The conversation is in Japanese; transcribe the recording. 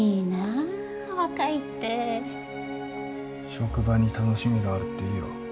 職場に楽しみがあるっていいよ。